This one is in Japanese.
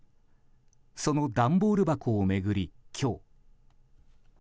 その段ボール箱を巡り、今日。